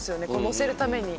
載せるために。